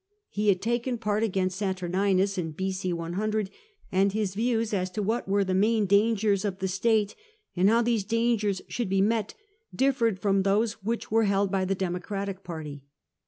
He had taken part against Saturninus in B.C. loO, and his views, as to what were the main dangers of the state and how these dangers should he met, differed from those which were held by the Democratic party.